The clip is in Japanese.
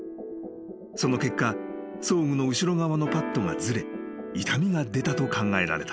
［その結果装具の後ろ側のパットがずれ痛みが出たと考えられた。